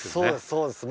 そうです